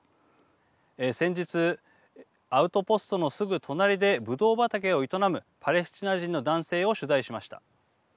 先日、アウトポストのすぐ隣でぶどう畑を営むパレスチナ人の男性を取材しました。